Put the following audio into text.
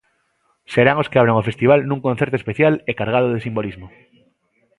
Serán os que abran o festival nun concerto especial e cargado de simbolismo.